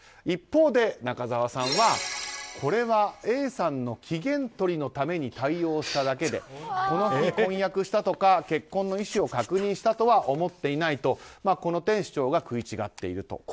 一方で、中澤さんはこれはＡさんの機嫌取りのために対応しただけでこの日、婚約したとか結婚の意思を確認したとは思っていないとこの点、主張が食い違っていると。